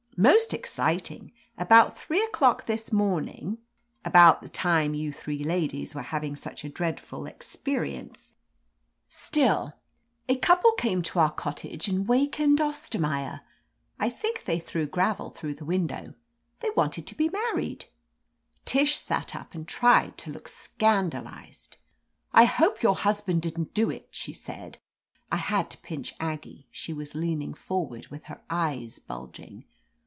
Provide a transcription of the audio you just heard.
"Most exciting. About three o'clock this morning — ^about the time you three ladies were 216 OF LETITIA CARBERRV having such a dreadful experience —. still, as couple came to our cottage and wakef 'he had Ostermaier. I think they threw gravet through the window. They wanted to be mar ried/' Tish sat up and tried to look scandalized. "I hope your husband didn't do it," she said. I had to pinch Aggie ; she was leaning forward with her eyes bulging.